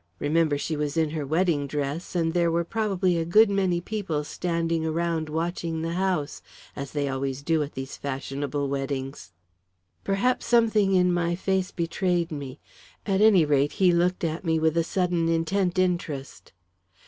Remember, she was in her wedding dress, and there were probably a good many people standing around watching the house, as they always do at these fashionable weddings." Perhaps something in my face betrayed me; at any rate, he looked at me with a sudden intent interest.